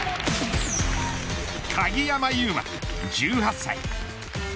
鍵山優真１８歳。